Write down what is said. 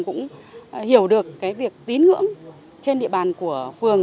cũng hiểu được cái việc tín ngưỡng trên địa bàn của phường